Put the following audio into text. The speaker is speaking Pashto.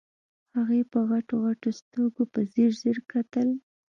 هغې په غټو غټو سترګو په ځير ځير کتل.